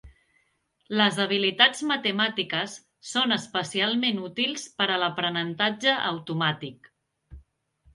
Les habilitats matemàtiques són especialment útils per a l'aprenentatge automàtic.